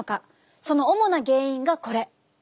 その主な原因がこれ。